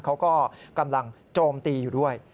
เขาก็กำลังโจมตีอยู่ด้วย